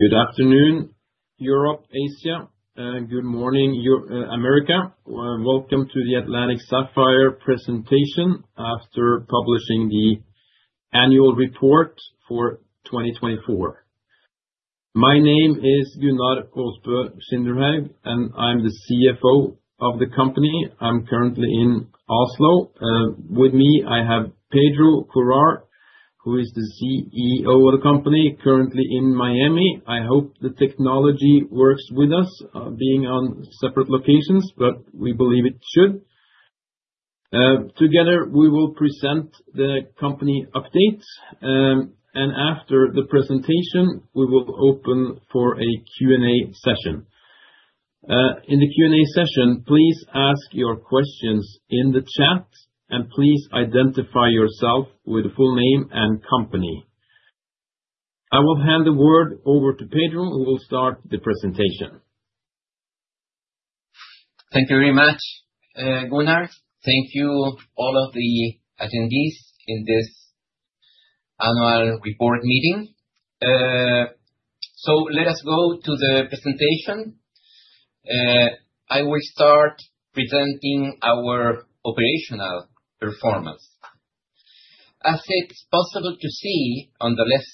Good afternoon, Europe, Asia. Good morning, America. Welcome to the Atlantic Sapphire presentation after publishing the annual report for 2024. My name is Gunnar Aasbø-Skinderhaug, and I'm the CFO of the company. I'm currently in Oslo. With me, I have Pedro Courard, who is the CEO of the company, currently in Miami. I hope the technology works with us, being on separate locations, but we believe it should. Together, we will present the company updates, and after the presentation, we will open for a Q&A session. In the Q&A session, please ask your questions in the chat, and please identify yourself with full name and company. I will hand the word over to Pedro, who will start the presentation. Thank you very much, Gunnar. Thank you, all of the attendees in this annual report meeting. Let us go to the presentation. I will start presenting our operational performance. As it's possible to see on the left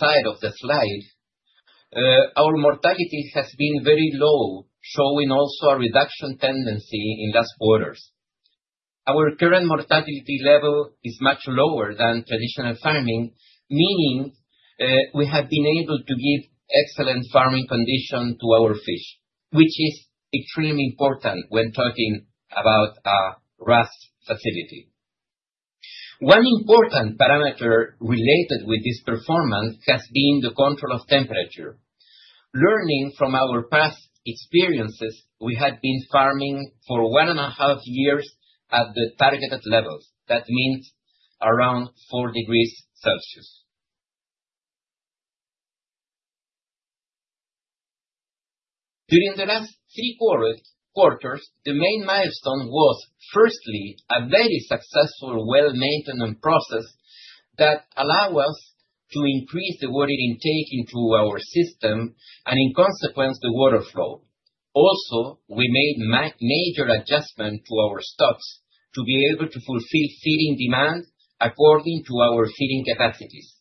side of the slide, our mortality has been very low, showing also a reduction tendency in last quarters. Our current mortality level is much lower than traditional farming, meaning, we have been able to give excellent farming condition to our fish, which is extremely important when talking about our RAS facility. One important parameter related with this performance has been the control of temperature. Learning from our past experiences, we have been farming for 1.5 years at the targeted levels. That means around 4 degrees Celsius. During the last 3 quarters, the main milestone was, firstly, a very successful well maintenance process that allow us to increase the water intake into our system and in consequence, the water flow. Also, we made major adjustment to our stocks to be able to fulfill feeding demand according to our feeding capacities.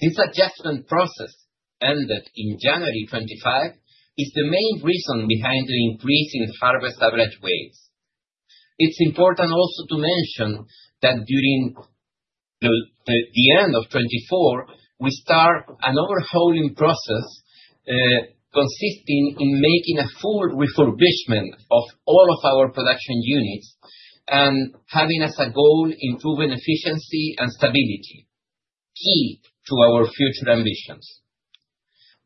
This adjustment process, ended in January 25, is the main reason behind the increase in the harvest average weights. It's important also to mention that during the end of 2024, we start an overhauling process, consisting in making a full refurbishment of all of our production units and having as a goal improving efficiency and stability, key to our future ambitions.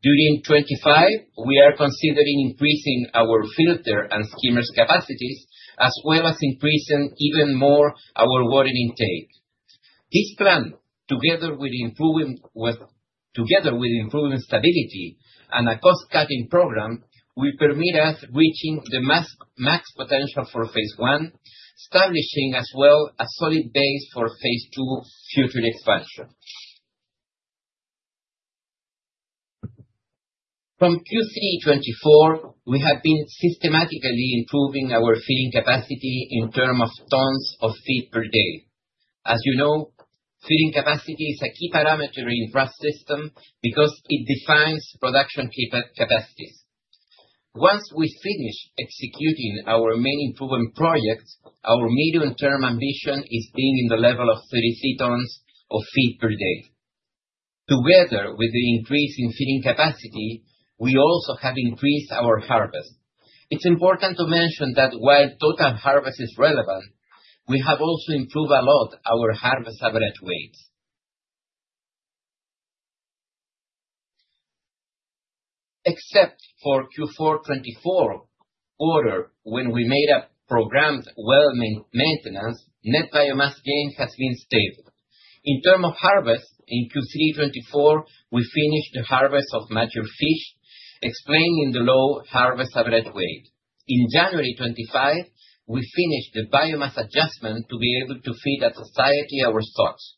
During 2025, we are considering increasing our filter and skimmers capacities, as well as increasing even more our water intake. This plan, together with improving stability and a cost-cutting program, will permit us reaching the max potential for Phase 1, establishing as well a solid base for Phase 2 future expansion. From Q3 2024, we have been systematically improving our feeding capacity in term of tons of feed per day. As you know, feeding capacity is a key parameter in RAS system because it defines production capacities. Once we finish executing our main improvement projects, our medium-term ambition is being in the level of 33 tons of feed per day. With the increase in feeding capacity, we also have increased our harvest. It's important to mention that while total harvest is relevant, we have also improved a lot our harvest average weights. Except for Q4 2024 quarter, when we made a programmed well maintenance, net biomass gain has been stable. In term of harvest, in Q3 2024, we finished the harvest of mature fish, explaining the low harvest average weight. In January 2025, we finished the biomass adjustment to be able to feed at satiety our stocks.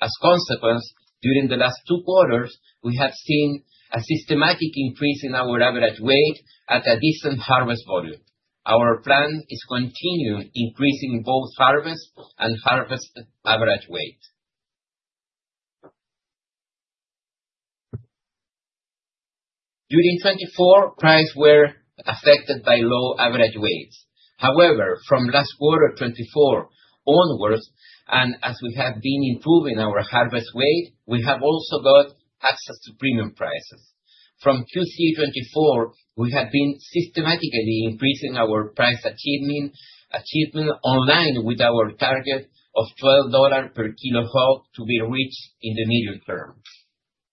As consequence, during the last two quarters, we have seen a systematic increase in our average weight at a decent harvest volume. Our plan is continue increasing both harvest and harvest average weight. During 2024, prices were affected by low average weights. However, from last quarter of 2024 onwards, and as we have been improving our harvest weight, we have also got access to premium prices. From Q3 2024, we have been systematically increasing our price achievement online with our target of $12 per kilo HOG to be reached in the medium term.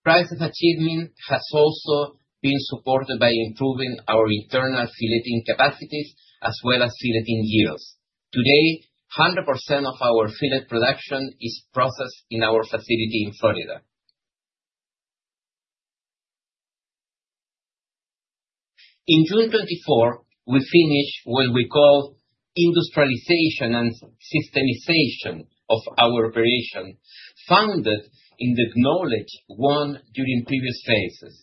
Price achievement has also been supported by improving our internal filleting capacities as well as filleting yields. Today, 100% of our fillet production is processed in our facility in Florida. In June 2024, we finished what we call industrialization and systemization of our operation, founded in the knowledge one during previous phases.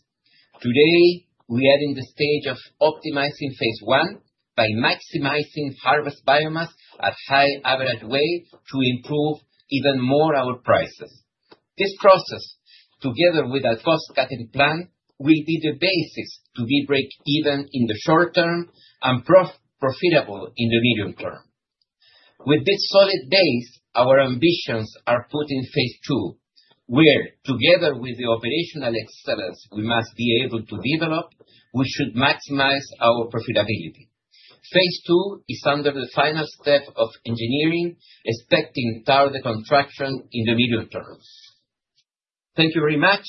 Today, we are in the stage of optimizing Phase 1 by maximizing harvest biomass at high average weight to improve even more our prices. This process, together with our cost-cutting plan, will be the basis to be breakeven in the short term and profitable in the medium term. With this solid base, our ambitions are put in Phase 2, where together with the operational excellence we must be able to develop, we should maximize our profitability. Phase 2 is under the final step of engineering, expecting to start the contraction in the medium terms. Thank you very much.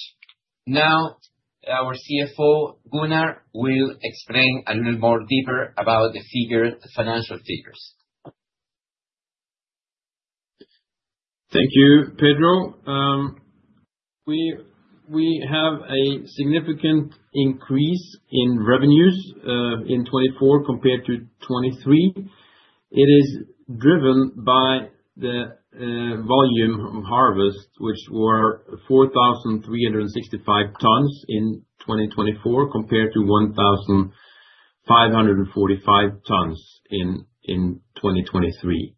Our CFO, Gunnar, will explain a little more deeper about the financial figures. Thank you, Pedro. We have a significant increase in revenues in 2024 compared to 2023. It is driven by the volume of harvest, which were 4,365 tons in 2024 compared to 1,545 tons in 2023.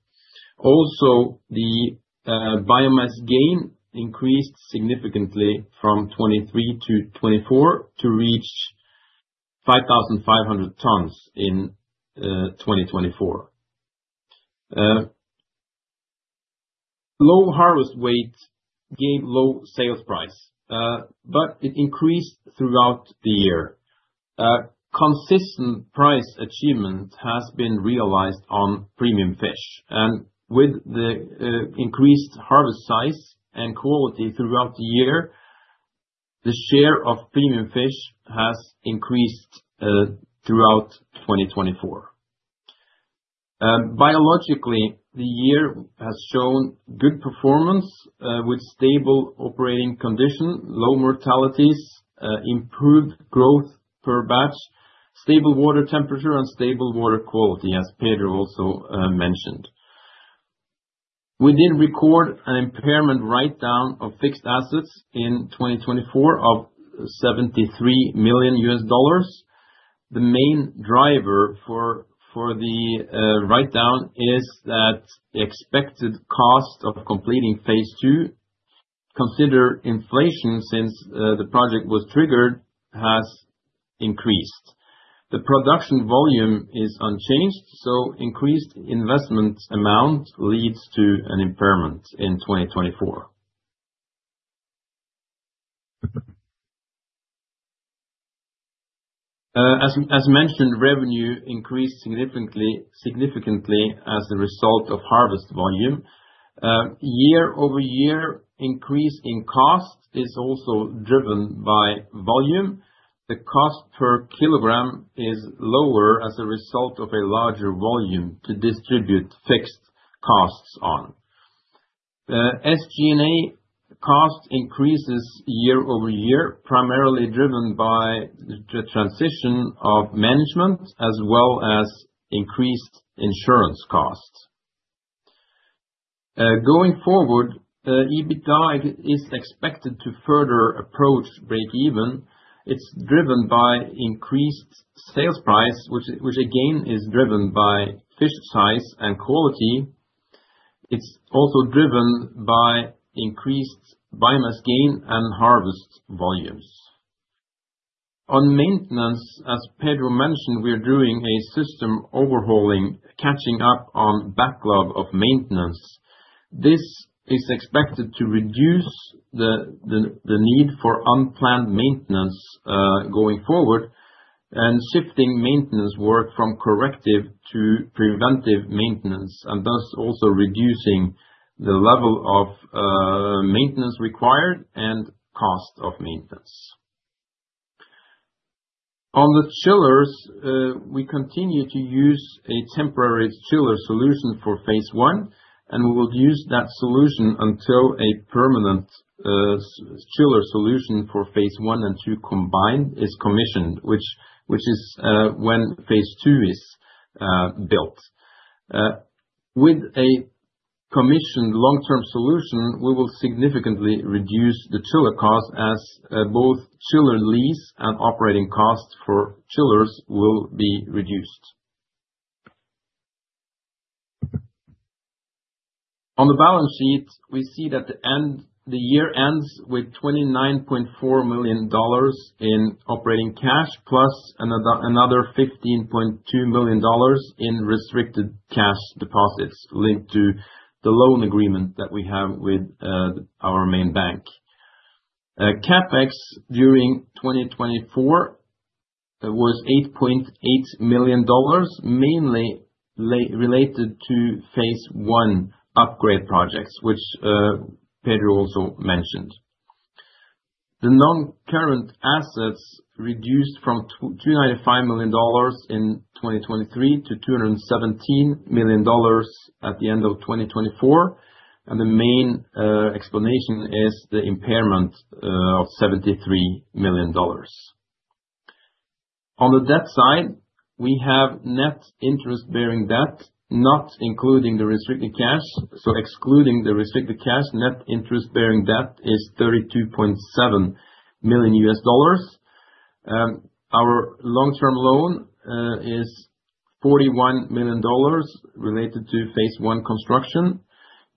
Also, the biomass gain increased significantly from 2023 to 2024 to reach 5,500 tons in 2024. Low harvest weight gave low sales price, but it increased throughout the year. Consistent price achievement has been realized on premium fish. With the increased harvest size and quality throughout the year, the share of premium fish has increased throughout 2024. Biologically, the year has shown good performance, with stable operating condition, low mortalities, improved growth per batch, stable water temperature and stable water quality, as Pedro also mentioned. We did record an impairment write-down of fixed assets in 2024 of $73 million. The main driver for the write-down is that the expected cost of completing Phase 2, consider inflation since the project was triggered, has increased. The production volume is unchanged, increased investment amount leads to an impairment in 2024. As mentioned, revenue increased significantly as a result of harvest volume. Year-over-year increase in cost is also driven by volume. The cost per kilogram is lower as a result of a larger volume to distribute fixed costs on. The SG&A cost increases year-over-year, primarily driven by the transition of management as well as increased insurance costs. Going forward, the EBITDA is expected to further approach break even. It's driven by increased sales price, which again is driven by fish size and quality. It's also driven by increased biomass gain and harvest volumes. On maintenance, as Pedro mentioned, we are doing a system overhauling, catching up on backlog of maintenance. This is expected to reduce the need for unplanned maintenance, going forward, and shifting maintenance work from corrective to preventive maintenance, and thus also reducing the level of maintenance required and cost of maintenance. On the chillers, we continue to use a temporary chiller solution for Phase 1, and we will use that solution until a permanent chiller solution for Phase 1 and 2 combined is commissioned, which is when Phase 2 is built. With a commissioned long-term solution, we will significantly reduce the chiller cost as both chiller lease and operating costs for chillers will be reduced. On the balance sheet, we see that the year ends with $29.4 million in operating cash, plus another $15.2 million in restricted cash deposits linked to the loan agreement that we have with our main bank. CapEx during 2024 was $8.8 million, mainly related to Phase 1 upgrade projects, which Pedro also mentioned. The non-current assets reduced from $295 million in 2023 to $217 million at the end of 2024. The main explanation is the impairment of $73 million. On the debt side, we have net interest-bearing debt, not including the restricted cash. Excluding the restricted cash, net interest-bearing debt is $32.7 million. Our long-term loan is $41 million related to Phase 1 construction.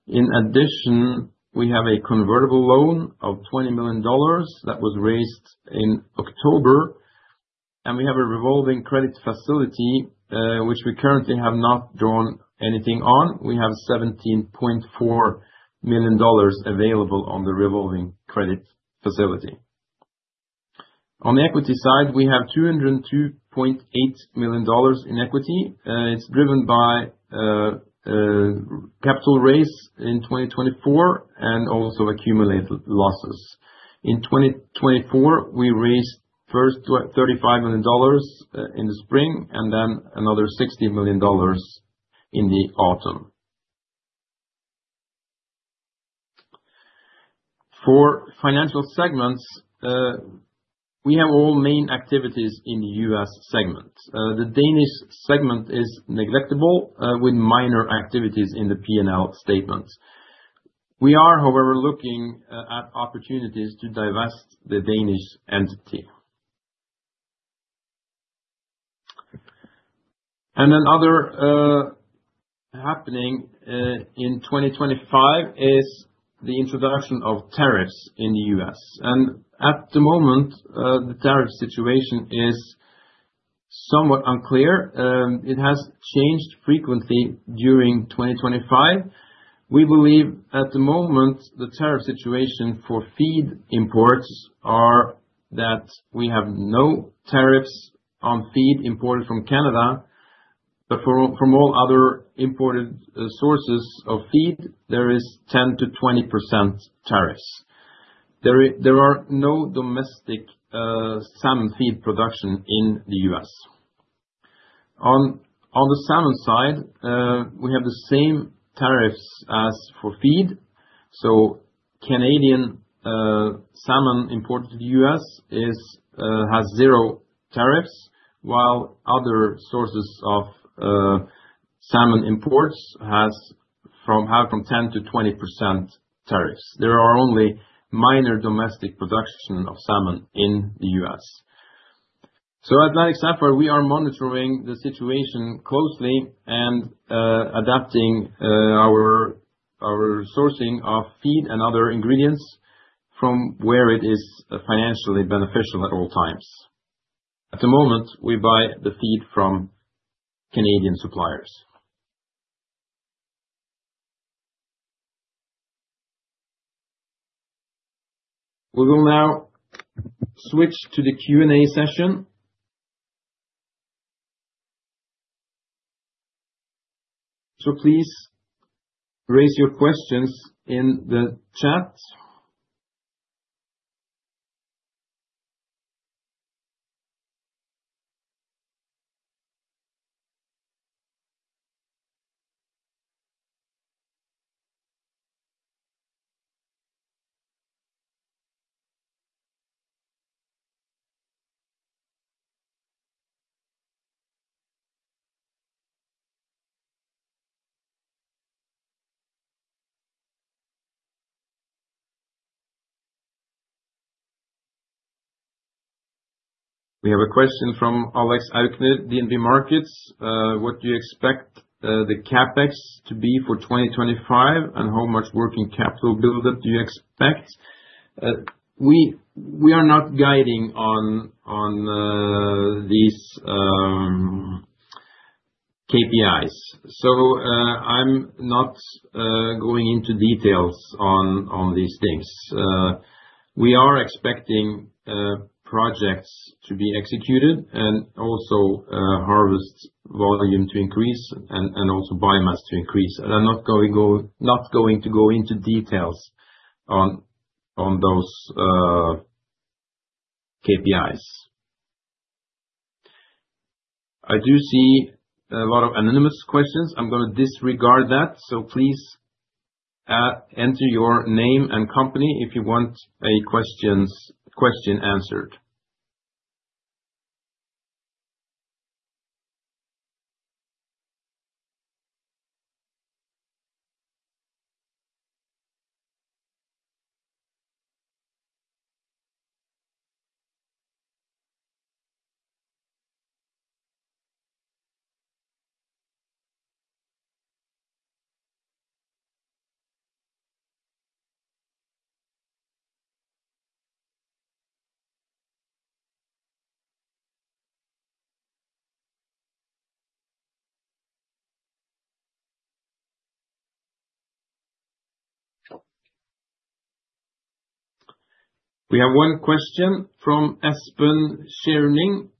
In addition, we have a convertible loan of $20 million that was raised in October. We have a revolving credit facility, which we currently have not drawn anything on. We have $17.4 million available on the revolving credit facility. On the equity side, we have $202.8 million in equity. It's driven by capital raise in 2024 and also accumulated losses. In 2024, we raised first $35 million in the spring and then another $60 million in the autumn. For financial segments, we have all main activities in U.S. segments. The Danish segment is neglectable with minor activities in the P&L statements. We are, however, looking at opportunities to divest the Danish entity. Another happening in 2025 is the introduction of tariffs in the U.S. At the moment, the tariff situation is somewhat unclear. It has changed frequently during 2025. We believe at the moment the tariff situation for feed imports are that we have no tariffs on feed imported from Canada, but from all other imported sources of feed, there is 10%-20% tariffs. There are no domestic salmon feed production in the U.S. On the salmon side, we have the same tariffs as for feed. Canadian salmon imported to the U.S. is has 0 tariffs, while other sources of salmon imports have from 10%-20% tariffs. There are only minor domestic production of salmon in the U.S. At Atlantic Sapphire, we are monitoring the situation closely and adapting our sourcing of feed and other ingredients from where it is financially beneficial at all times. At the moment, we buy the feed from Canadian suppliers. We will now switch to the Q&A session. Please raise your questions in the chat. We have a question from Alexander Aukner at DNB Markets. What do you expect the CapEx to be for 2025, and how much working capital build-up do you expect? We are not guiding on these KPIs. I'm not going into details on these things. We are expecting projects to be executed and also harvest volume to increase and also biomass to increase. I'm not going to go into details on those KPIs. I do see a lot of anonymous questions. I'm gonna disregard that. Please enter your name and company if you want a questions, question answered. We have one question from Espen Sjørning.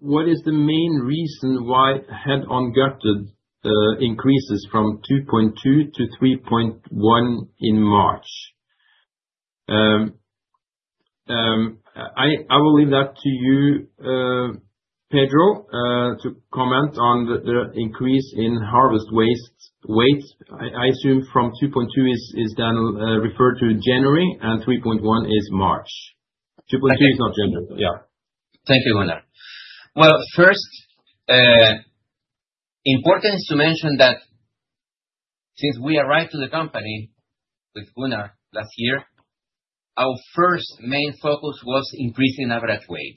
What is the main reason why head-on gutted increases from 2.2-3.1 in March? I will leave that to you, Pedro, to comment on the increase in harvest weight. I assume from 2.2 is then referred to January and 3.1 is March. 2.2 is not January. Yeah. Thank you, Gunnar. Well, first, important to mention that since we arrived to the company with Gunnar last year, our first main focus was increasing average weight.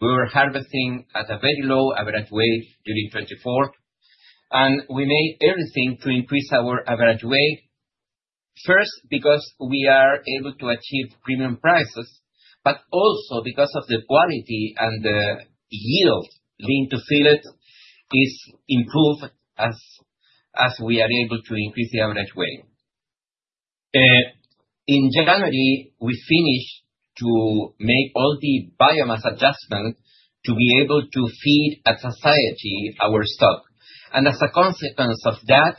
We were harvesting at a very low average weight during 2024, and we made everything to increase our average weight. First, because we are able to achieve premium prices, but also because of the quality and the fillet yield is improved as we are able to increase the average weight. In January, we finished to make all the biomass adjustment to be able to feed to satiety our stock. As a consequence of that,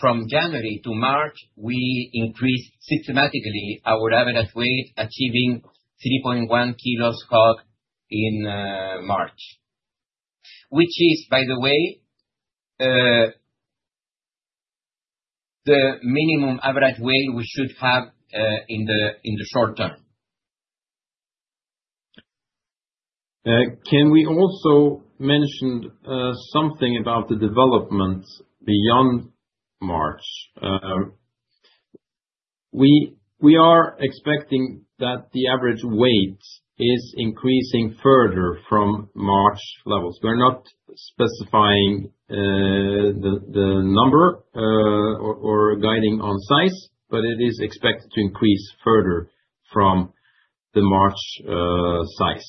from January to March, we increased systematically our average weight achieving 3.1 kilos HOG in March. Which is by the way, the minimum average weight we should have in the short term. Can we also mention something about the development beyond March? We are expecting that the average weight is increasing further from March levels. We are not specifying the number or guiding on size, but it is expected to increase further from the March size.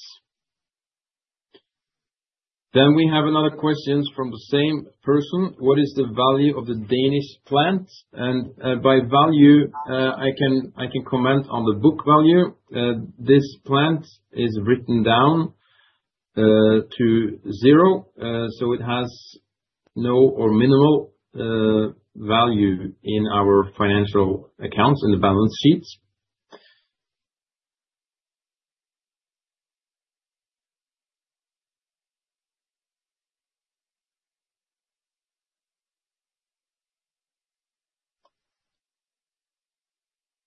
We have another question from the same person. What is the value of the Danish plant? By value, I can comment on the book value. This plant is written down to 0. It has no or minimal value in our financial accounts, in the balance sheets.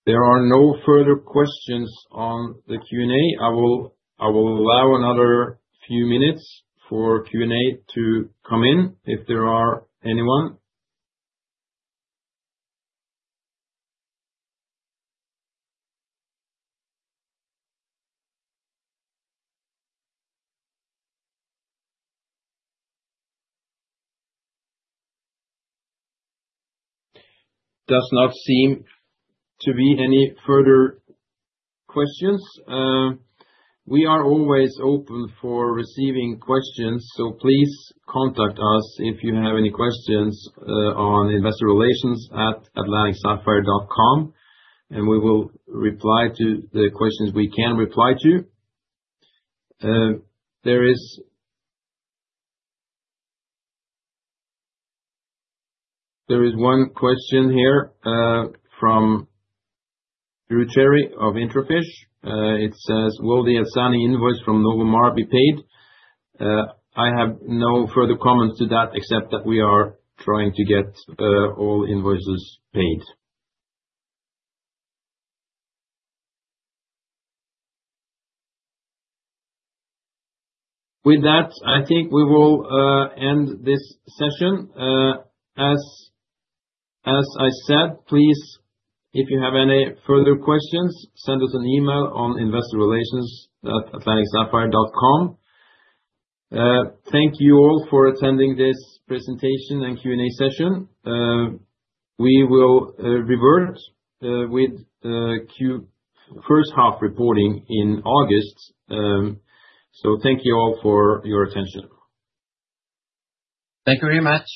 There are no further questions on the Q&A. I will allow another few minutes for Q&A to come in, if there are anyone. Does not seem to be any further questions. We are always open for receiving questions. Please contact us if you have any questions on investorrelations@atlanticsapphire.com. We will reply to the questions we can reply to. There is one question here from Drew Cherry of IntraFish. It says, "Will the Åsane invoice from NovoMar be paid?" I have no further comment to that except that we are trying to get all invoices paid. With that, I think we will end this session. As I said, please, if you have any further questions, send us an email on investorrelations@atlanticsapphire.com. Thank you all for attending this presentation and Q&A session. We will revert with Q first half reporting in August. Thank you all for your attention. Thank you very much.